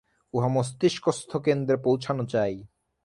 উহা মস্তিষ্কস্থ কেন্দ্রে পৌঁছানো চাই।